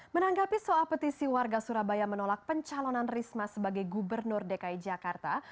menanggapi soal petisi warga surabaya menolak pencalonan risma sebagai gubernur dki jakarta